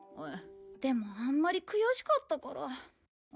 でもあんまり悔しかったから。